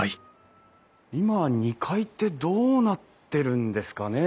今は２階ってどうなってるんですかね？